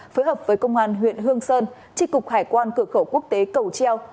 phối hợp với công an huyện hương sơn tri cục hải quan cửa khẩu quốc tế cầu treo